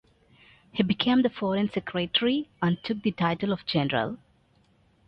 He became the foreign secretary and took the title of General.